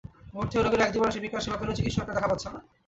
ভর্তি হওয়া রোগীরা এক-দুবার সেবিকার সেবা পেলেও চিকিৎসকের দেখা পাচ্ছে না।